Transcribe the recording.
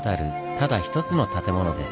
ただ一つの建物です。